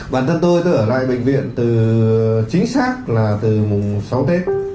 bản thân tôi tôi ở lại bệnh viện từ chính xác là từ mùng sáu tết